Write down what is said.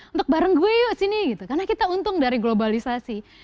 untuk bareng gue yuk sini gitu karena kita untung dari globalisasi